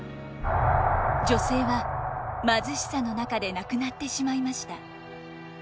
女性は貧しさの中で亡くなってしまいました。